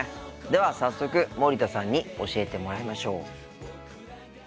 では早速森田さんに教えてもらいましょう。